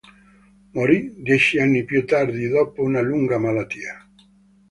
Morì dieci anni più tardi, dopo una lunga malattia.